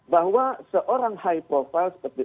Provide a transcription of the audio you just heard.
bahwa seorang high profile seperti